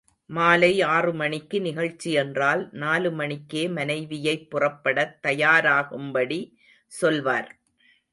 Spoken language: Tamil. மாலை ஆறு மணிக்கு நிகழ்ச்சி என்றால் நாலு மணிக்கே மனைவியைப் புறப்படத் தயாராகும்படி சொல்வார்.